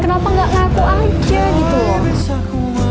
kenapa gak ngaku aja